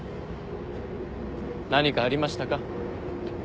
何かありましたか？